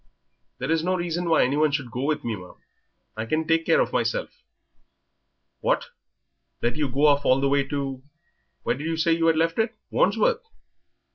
"There is no reason why any one should go with me, ma'am; I can take care of myself." "What! let you go off all the way to where did you say you had left it Wandsworth?